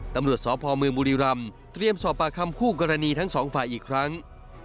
ตำรวจสพเมืองบุรีรำเตรียมสอบปากคำคู่กรณีทั้งสองฝ่ายอีกครั้ง